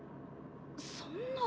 そんな。